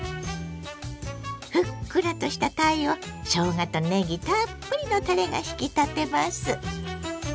ふっくらとしたたいをしょうがとねぎたっぷりのたれが引き立てます。